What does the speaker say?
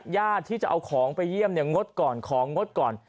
ญาติที่จะเอาของไปเยี่ยมเนี่ยงดก่อนของงดก่อน